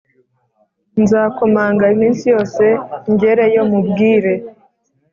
Nzakomanga iminsi yose ngereyo mubwire